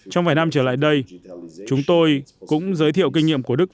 trong vài năm trở lại đây chúng tôi cũng giới thiệu kinh nghiệm của đức